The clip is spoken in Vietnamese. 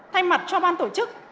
thay mặt cho ban tổ chức